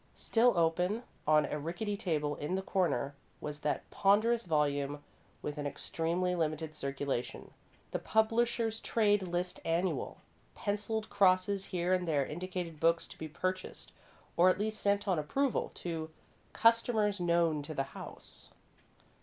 Still open, on a rickety table in the corner, was that ponderous volume with an extremely limited circulation: The Publishers' Trade List Annual. Pencilled crosses here and there indicated books to be purchased, or at least sent on approval, to "customers known to the House."